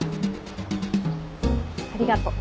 ありがとう。